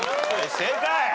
正解。